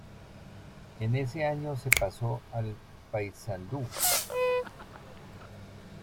En ese año se pasó al Paysandú.